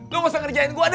lo gak usah ngerjain gue dah